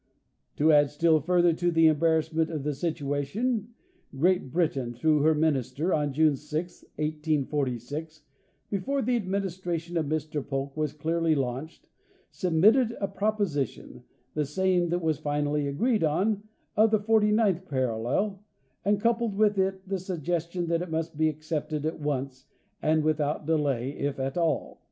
To add still further to the em barrassment of the situation, Great Britain, through her min ister, on June 6, 1846, before the administration of Mr Polk was clearly launched, submitted a proposition, the same that was finally agreed on, of the forty ninth parallel, and coupled with it the suggestion that it must be accepted at once, and with out delay, if atall.